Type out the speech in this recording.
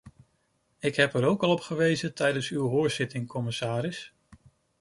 Ik heb er ook al op gewezen tijdens uw hoorzitting, commissaris.